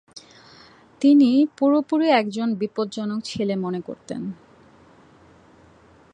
তিনি পুরোপুরি একটা বিপজ্জনক ছেলে মনে করতেন।